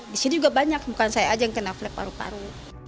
di sini juga banyak bukan saya aja yang kena flag paru paru